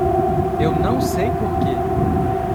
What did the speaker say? Eu não sei porque.